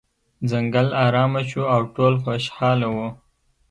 ځنګل ارامه شو او ټول خوشحاله وو.